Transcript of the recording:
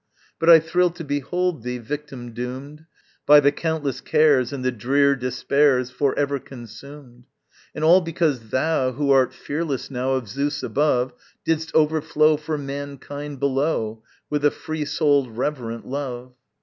But I thrill to behold Thee, victim doomed, By the countless cares And the drear despairs Forever consumed, And all because thou, who art fearless now Of Zeus above, Didst overflow for mankind below With a free souled, reverent love.